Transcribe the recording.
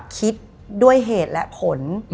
คิดด้วยเหตุและผล